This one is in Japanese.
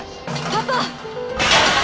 パパ！